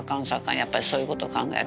やっぱりそういうことを考える。